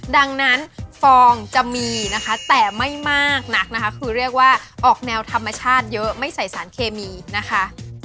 ดังนั้นฟองจะมีนะคะแต่ไม่มากนักนะคะคือเรียกว่าออกแนวธรรมชาติเยอะไม่ใส่สารเคมีนะคะ